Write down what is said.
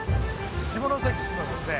下関市のですね